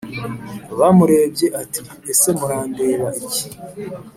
bamurebye ati:ese murandeba iki;